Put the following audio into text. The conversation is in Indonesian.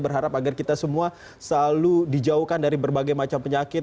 berharap agar kita semua selalu dijauhkan dari berbagai macam penyakit